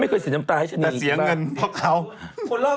มดพี่มดดำไปมินท์นัดวัลล่ะไอ้บ้า